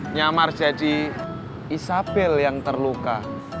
nyamar jadi isabel yang terluka